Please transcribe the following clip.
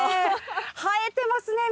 映えてますね